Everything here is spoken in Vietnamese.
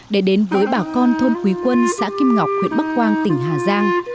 để đến với bà con thôn quý quân xã kim ngọc huyện bắc quang tỉnh hà giang